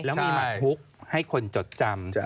แล้วมีหัดทุกข์ให้คนจดจำ